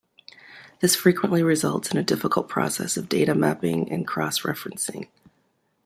This frequently results in a difficult process of data mapping and cross-referencing.